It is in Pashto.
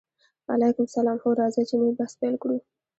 وعلیکم السلام هو راځئ چې نوی بحث پیل کړو